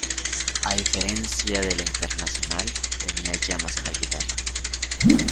A diferencia de la internacional, tenía llamas en la guitarra.